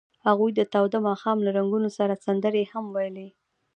هغوی د تاوده ماښام له رنګونو سره سندرې هم ویلې.